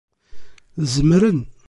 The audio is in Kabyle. Zemren.